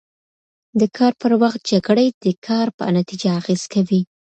د کار پر وخت جکړې د کار په نتیجه اغېز کوي.